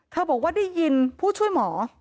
บอกว่าได้ยินผู้ช่วยหมอ